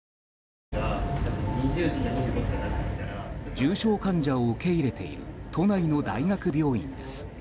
重症患者を受け入れている都内の大学病院です。